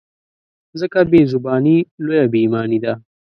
ځکه بې زباني لویه بې ایماني ده.